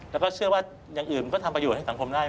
แล้วก็เชื่อว่าอย่างอื่นมันก็ทำประโยชน์ให้สังคมได้